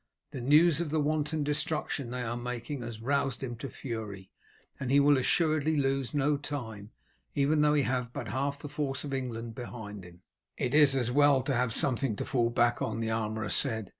The news of the wanton destruction they are making has roused him to fury, and he will assuredly lose no time, even though he have but half the force of England behind him." "It is as well to have something to fall back on," the armourer said.